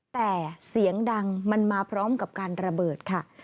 แต่เสียงดังมันมาพร้อมกับการระเบิดค่ะ